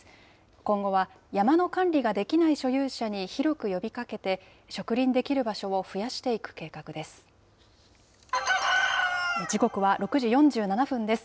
今後は山の管理ができない所有者に広く呼びかけて、植林できる場所を増やしていく計画です。